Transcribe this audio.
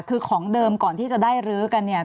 คือของเดิมก่อนที่จะได้ลื้อกันเนี่ย